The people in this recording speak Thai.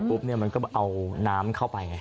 ปุ๊บนี่มันก็เอาน้ำเข้าไปไง